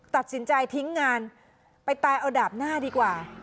ตัดสินใจทิ้งงานไปตายเอาดาบหน้าดีกว่า